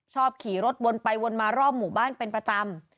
ขี่รถวนไปวนมารอบหมู่บ้านเป็นประจำ